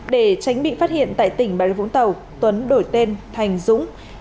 để tránh bị phát hiện tại tỉnh bà rịa vũng tàu tuấn đổi tên thành dũng